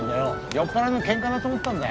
酔っ払いのケンカだと思ったんだ